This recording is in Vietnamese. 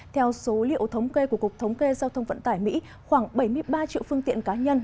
theo số liệu thống kê của cục thống kê giao thông vận tải mỹ khoảng bảy mươi ba triệu phương tiện cá nhân